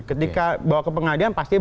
ketika bawa ke pengadilan pasti